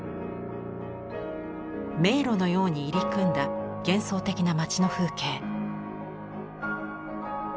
迷路のように入り組んだ幻想的な街の風景。